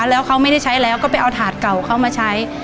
แล้วเขาไม่ได้ใช้แล้วก็ไปเอาถาดเก่าเขามาใช้